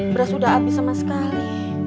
beras sudah habis sama sekali